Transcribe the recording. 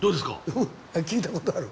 うん聞いたことある。